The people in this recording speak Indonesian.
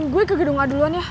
gue ke gedung aduan ya